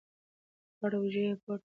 دواړه اوږې یې پورته واچولې او روان شو.